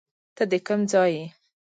ته د کم ځای یې